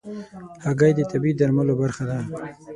هګۍ د طبيعي درملو برخه ده.